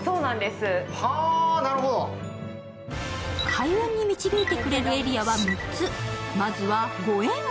開運に導いてくれるエリアは３つ。